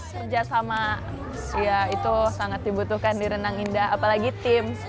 kerjasama ya itu sangat dibutuhkan di renang indah apalagi tim